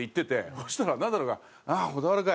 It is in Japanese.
そしたらナダルが「ああ小田原か。